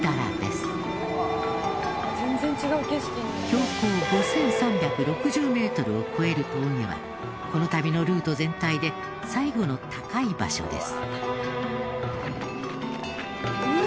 標高５３６０メートルを超える峠はこの旅のルート全体で最後の高い場所です。